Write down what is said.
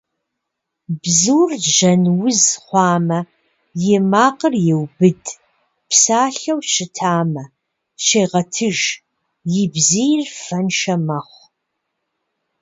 Бзур жьэн уз хъуамэ, и макъыр еубыд, псалъэу щытамэ, щегъэтыж, и бзийр фэншэ мэхъу.